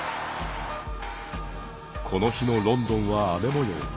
この日のロンドンは雨もよう。